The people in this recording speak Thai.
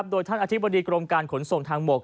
โดยท่านอธิบดีกรมการขนส่งทางบก